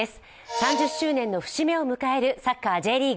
３０周年の節目を迎えるサッカー・Ｊリーグ。